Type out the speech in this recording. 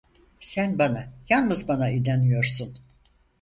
Sen bana, yalnız bana inanıyorsun!